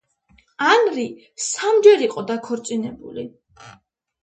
ანრი სამჯერ იყო დაქორწინებული.